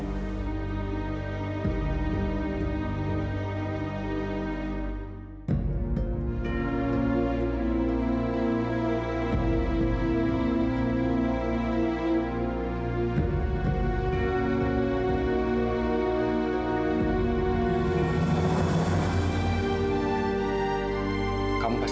sampai jumpa lagi